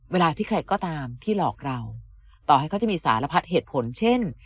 เวลาที่ใครก็ตามที่หลอกเราต่อให้เขาจะมีสารพัดเหตุผลเช่น